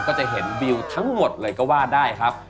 ก็จะเห็นวิวทั้งหมดเลยก็ว่าได้ครับ